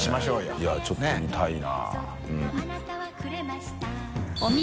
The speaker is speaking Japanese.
いちょっと見たいな。